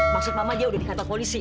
maksud mama dia udah dikantor polisi